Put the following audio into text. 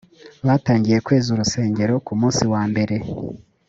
batangiye kweza urusengero ku munsi wa mbere